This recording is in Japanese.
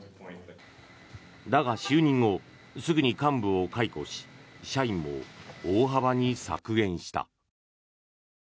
だが、就任後すぐに幹部を解雇し社員も大幅に削減した。